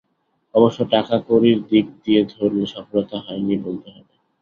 অবশ্য টাকাকড়ির দিক দিয়ে ধরলে সফলতা হয়নি, বলতে হবে।